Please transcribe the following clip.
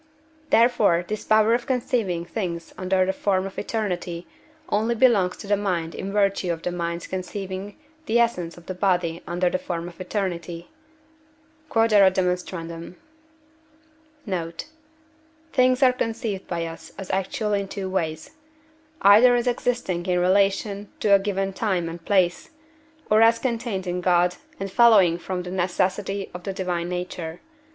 Therefore this power of conceiving things under the form of eternity only belongs to the mind in virtue of the mind's conceiving the essence of the body under the form of eternity. Q.E.D. Note. Things are conceived by us as actual in two ways; either as existing in relation to a given time and place, or as contained in God and following from the necessity of the divine nature.